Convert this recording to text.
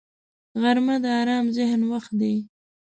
غرمه د آرام ذهن وخت دی